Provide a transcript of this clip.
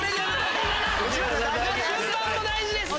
順番も大事です！